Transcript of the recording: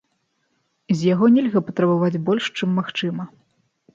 І з яго нельга патрабаваць больш, чым магчыма.